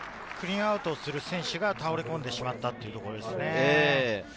クリーンアウトする選手が倒れ込んでしまったということですね。